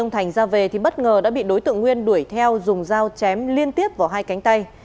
thành ra về thì bất ngờ đã bị đối tượng nguyên đuổi theo dùng dao chém liên tiếp vào hai cánh tay